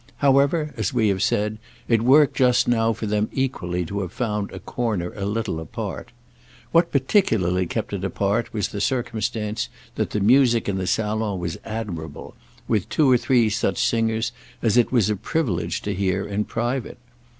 However, as we have said, it worked just now for them equally to have found a corner a little apart. What particularly kept it apart was the circumstance that the music in the salon was admirable, with two or three such singers as it was a privilege to hear in private.